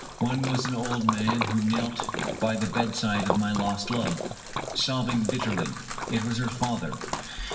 One was an old man who knelt by the bedside of my lost love, sobbing bitterly. It was her father.